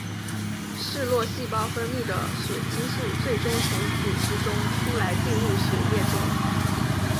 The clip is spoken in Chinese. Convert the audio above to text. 嗜铬细胞分泌的血清素最终从组织中出来进入血液中。